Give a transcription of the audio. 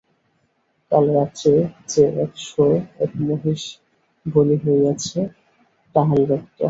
কাল রাত্রে যে এক-শো-এক মহিষ বলি হইয়াছে তাহারই রক্ত।